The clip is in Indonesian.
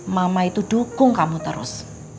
mama itu dukung kamu terus